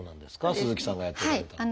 鈴木さんがやっておられたの。